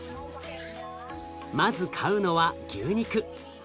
まず買うのは牛肉。